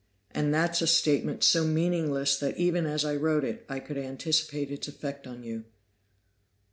And that's a statement so meaningless that even as I wrote it, I could anticipate its effect on you.